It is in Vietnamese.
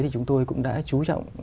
thì chúng tôi cũng đã trú trọng